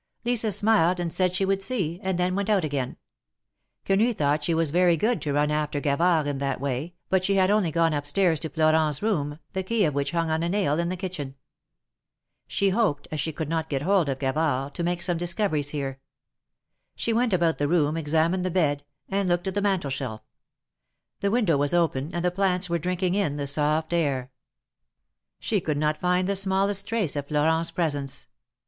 Lisa smiled and said she would see, and then went out again. Quenu thought she was very good to run after Gavard in that way, but she had only gone up stairs to Florent's room, the key of which hung on a nail in the kitchen. She hoped, as she could not get hold of Gavard, to THE MARKETS OF PARIS. 209 make some discoveries here. She went about the room, examined the bed and looked at the mantel shelf. The window was open, and the plants were drinking in the soft air. She could find not the smallest trace of Florent^s presence.